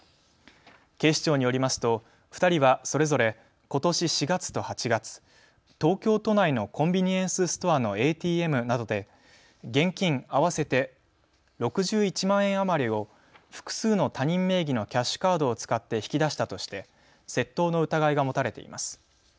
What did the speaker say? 警視庁によりますと２人はそれぞれことし４月と８月、東京都内のコンビニエンスストアのＡＴＭなどで現金合わせて６１万円余りを複数の他人名義のキャッシュカードを使って引き出したとして窃盗の疑いが持たれています。